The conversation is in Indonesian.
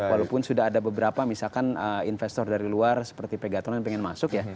walaupun sudah ada beberapa misalkan investor dari luar seperti pegatron yang ingin masuk ya